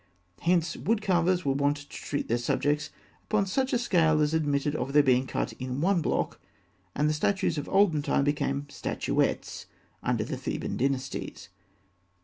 Hence, wood carvers were wont to treat their subjects upon such a scale as admitted of their being cut in one block, and the statues of olden time became statuettes under the Theban dynasties.